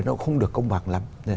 nó cũng không được công bằng lắm